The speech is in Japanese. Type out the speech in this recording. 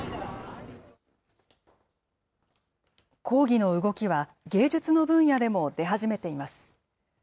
抗議の動きは、芸術の分野でも出始めています。